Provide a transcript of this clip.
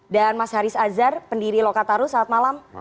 dan mas haris azhar pendiri lokataru selamat malam